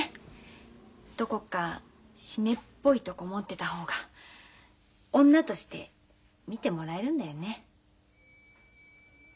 どこか湿っぽいとこ持ってた方が女として見てもらえるんだよね。